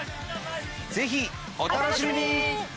ぜひお楽しみに！